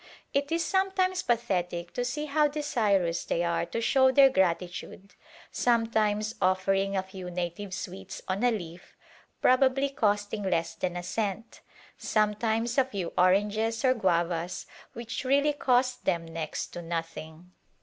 It is sometimes pathetic to see how desirous they are to show their gratitude, sometimes offering a few native sweets on a leaf, probably costing less than a cent, sometimes a few oranges or guavas which really cost them next to nothing.